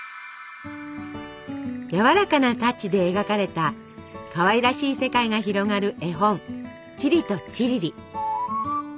やわらかなタッチで描かれたかわいらしい世界が広がる絵本「チリとチリリ」。